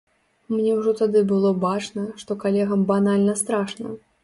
Мне ўжо тады было бачна, што калегам банальна страшна.